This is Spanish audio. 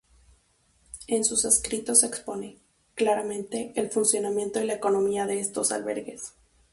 En sus escritos expone, claramente, el funcionamiento y la economía de estos albergues.